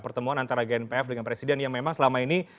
pertemuan antara gnpf dengan presiden yang memang selama ini